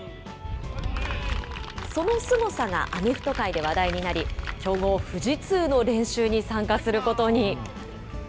そのすごさがアメフト界で話題になり、強豪、富士通の練習に参加することに。